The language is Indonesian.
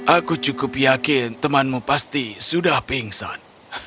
aku cukup yakin temanmu pasti sudah pingsan